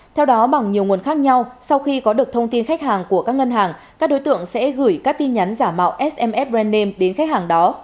theo đó bằng nhiều nguồn khác nhau sau khi có được thông tin khách hàng của các ngân hàng các đối tượng sẽ gửi các tin nhắn giả mạo sms brand name đến khách hàng đó